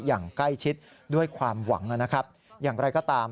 อย่างใกล้ชิดด้วยความหวังนะครับอย่างไรก็ตาม